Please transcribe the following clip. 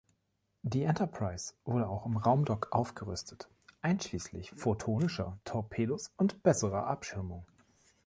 Die Enterprise wurde auch im Raumdock aufgerüstet, einschließlich „photonischer“ Torpedos und besserer Abschirmung.